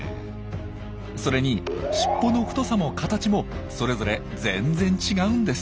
それにしっぽの太さも形もそれぞれ全然違うんです。